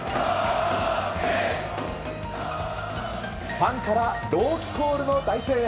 ファンから朗希コールの大声援。